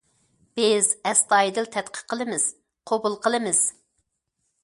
بىز ئەستايىدىل تەتقىق قىلىمىز، قوبۇل قىلىمىز.